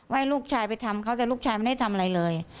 ให้ลูกชายไปทำเขาแต่ลูกชายไม่ได้ทำอะไรเลย